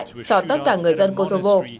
cho tất cả người dân kosovo